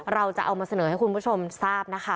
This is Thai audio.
เราจะเอามาเสนอให้คุณผู้ชมทราบนะคะ